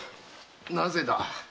なぜだ？